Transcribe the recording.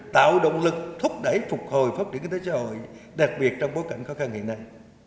trong tháo gỡ khó khăn